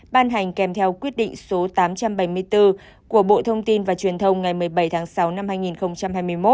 ban hành kèm theo quyết định số tám trăm bảy mươi bốn của bộ thông tin và truyền thông ngày một mươi bảy tháng sáu năm hai nghìn hai mươi một